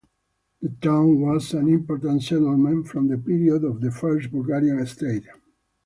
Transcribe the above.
The town was an important settlement from the period of the First Bulgarian State.